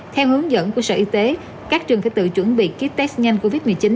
theo hướng dẫn của sở y tế các trường phải tự chuẩn bị ký test nhanh covid một mươi chín